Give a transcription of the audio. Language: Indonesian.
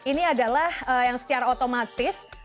ini adalah yang secara otomatis